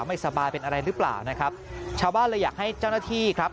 ไม่สบายเป็นอะไรหรือเปล่านะครับชาวบ้านเลยอยากให้เจ้าหน้าที่ครับ